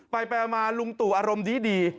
ไปไปมาลุงตุอารมณ์ดี